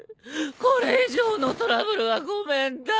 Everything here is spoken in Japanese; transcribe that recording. これ以上のトラブルはごめんだ！